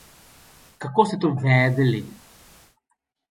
Kako ste to vedeli?